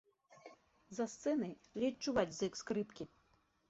За сцэнай ледзь чуваць зык скрыпкі.